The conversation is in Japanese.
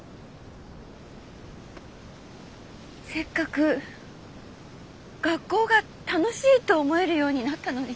「せっかく学校が楽しいって思えるようになったのに」